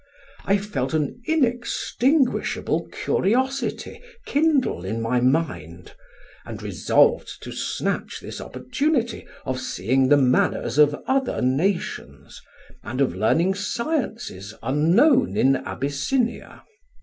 I felt an inextinguishable curiosity kindle in my mind, and resolved to snatch this opportunity of seeing the manners of other nations, and of learning sciences unknown in Abyssinia.